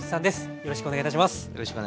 よろしくお願いします。